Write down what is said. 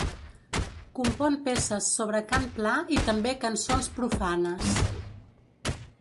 Compon peces sobre cant pla i també cançons profanes.